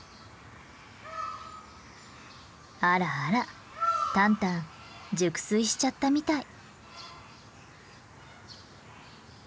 あらあらタンタン熟睡しちゃったみたい。